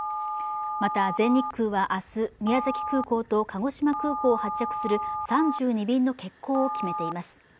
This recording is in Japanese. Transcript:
また、全日空は明日、宮崎空港と鹿児島空港を発着する３２便の欠航を決めています。